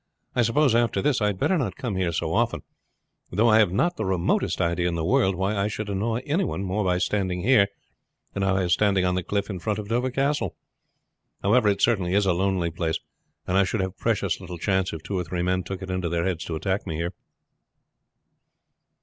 I suppose after this I had better not come here so often, though I have not the remotest idea in the world why I should annoy any one more by standing here than if I was standing on the cliff in front of Dover Castle. However, it certainly is a lonely place, and I should have precious little chance if two or three men took it into their heads to attack me here."